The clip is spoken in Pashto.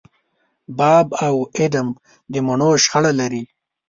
باب او اېډم د مڼو شخړه لري.